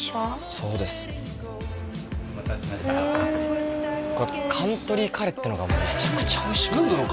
そうですお待たせしましたカントリーカレーっていうのがめちゃくちゃおいしくて何なの？